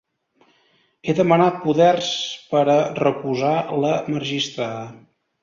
He demanat poders per a recusar la magistrada.